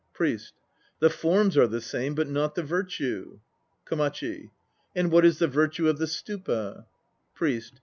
PRIEST. The forms are the same, but not the virtue. KOMACHI. And what is the virtue of the Stupa? PRIEST.